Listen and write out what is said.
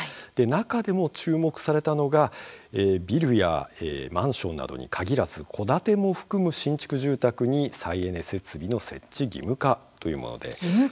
中でも注目されたのがビルやマンションなどに限らず戸建ても含む新築住宅に再エネ設備の設置義務化というものです。